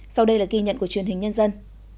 sau đây là ghi nhận của truyền hình nhân dân